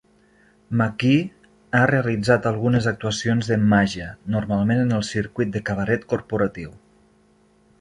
McGee ha realitzat algunes actuacions de màgia, normalment en el circuit de cabaret corporatiu.